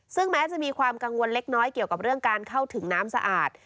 ซึ่งแม้จะมีความกังวลเล็กน้อยเกี่ยวกับเรื่องการเข้าถึงน้ำสะอาด